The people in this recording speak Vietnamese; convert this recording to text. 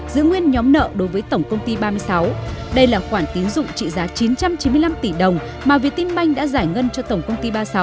giữ nguyên nhóm nợ đối với tổng công ty ba mươi sáu đây là khoản tín dụng trị giá chín trăm chín mươi năm tỷ đồng mà việt tiên banh đã giải ngân cho tổng công ty ba mươi sáu